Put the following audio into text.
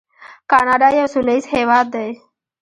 کاناډا یو سوله ییز هیواد دی.